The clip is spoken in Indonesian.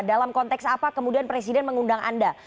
dalam konteks apa kemudian presiden mengundang anda